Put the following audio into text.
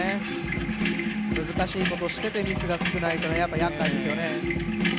難しいことをしていてミスが少ないと、やっぱりやっかいですよね。